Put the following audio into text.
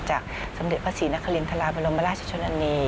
จากสมเด็จพระศรีนครินทราบรมราชชนนานี